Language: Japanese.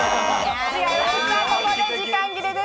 ここで時間切れです。